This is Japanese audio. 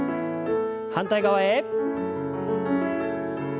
反対側へ。